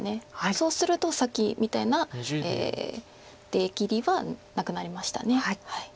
そうするとさっきみたいな出切りはなくなりました。